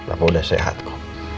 aku udah sehat ko